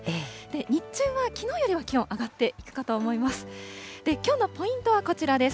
日中は、きのうよりは気温上がっていくかと思います。